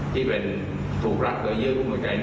ที่เป็นถูกรักหรือเยื่อหัวใจ